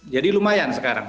jadi lumayan sekarang